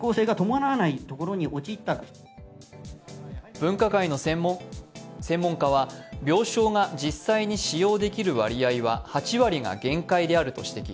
分科会の専門家は病床が実際に使用できる割合は８割が限界であると指摘。